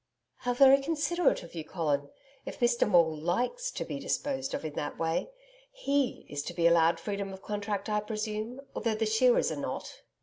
'How very considerate of you, Colin if Mr Maule LIKES to be disposed of in that way. HE is to be allowed freedom of contract I presume, though the shearers are not.'